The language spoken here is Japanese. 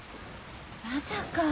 まさか！